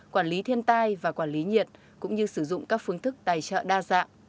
quản lý thiên tai và quản lý nhiệt cũng như sử dụng các phương thức tài trợ đa dạng